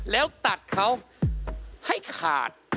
แล้วตัดเขาให้ขาด